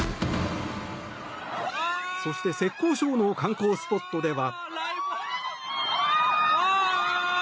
そして浙江省の観光スポットでは。